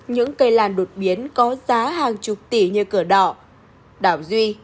những cây làn đột biến có giá hàng chục tỷ như cửa đỏ đảo duy